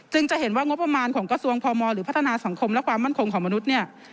จะเห็นว่างบประมาณของกระทรวงพมหรือพัฒนาสังคมและความมั่นคงของมนุษย์เนี่ย